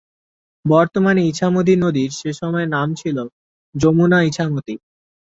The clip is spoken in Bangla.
বর্তমান ইছামতি নদীর সে সময়ে নাম ছিল যমুনা-ইছামতী।